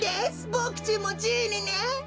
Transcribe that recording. ボクちんもじいにね。